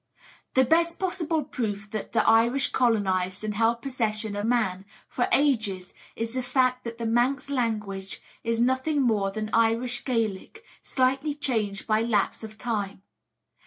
The best possible proof that the Irish colonised and held possession of Man for ages is the fact that the Manx language is nothing more than Irish Gaelic, slightly changed by lapse of time.